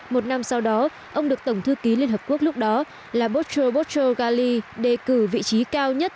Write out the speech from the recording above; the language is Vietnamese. một năm sau đó ông được tổng thư ký liên hợp quốc lúc đó là botlgali đề cử vị trí cao nhất